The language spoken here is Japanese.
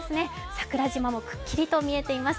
桜島もくっきりと見えています。